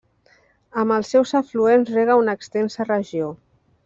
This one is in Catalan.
Amb els seus afluents rega una extensa regió.